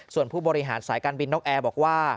ส่วนผู้บริหารสายการบินนกแอร์บอกว่า